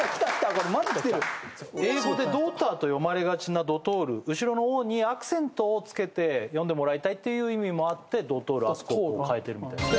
これマジできてる英語で「ドーター」と読まれがちなドトール後ろのＯにアクセントをつけて読んでもらいたい意味もあってドトールあそこを変えてるみたいですね